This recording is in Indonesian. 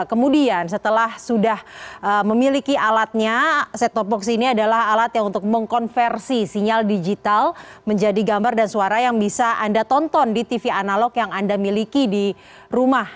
kemudian setelah sudah memiliki alatnya set top box ini adalah alat yang untuk mengkonversi sinyal digital menjadi gambar dan suara yang bisa anda tonton di tv analog yang anda miliki di rumah